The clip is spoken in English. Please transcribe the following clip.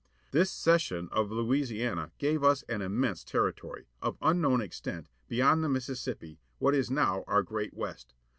This cession of Louisiana gave us an immense territory, of unknown extent, beyond the Mississippi, what is now our great West.